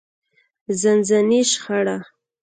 ځانځاني شخړه.